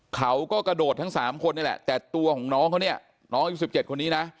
เขาก็กระโดดทั้งสามคนนี้ละแต่ตัวของน้อง๑๗คนนี้นะ